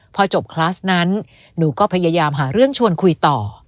พอจบคลาสนั้นหนูก็พยายามหาเรื่องชวนคุยต่อ